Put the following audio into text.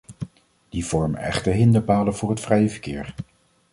Die vormen echte hinderpalen voor het vrije verkeer.